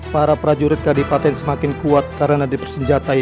para prajurit kadipaten semakin kuat karena dipersenjatai